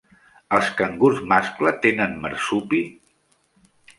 Els cangurs mascle tenen marsupi?